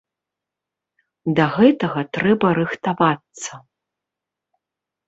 Да гэтага трэба рыхтавацца.